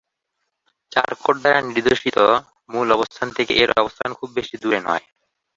Charcot দ্বারা নির্দেশিত মূল অবস্থান থেকে এর অবস্থান খুব বেশি দূরে নয়।